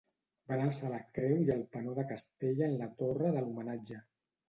Van alçar la creu i el penó de Castella en la torre de l'Homenatge.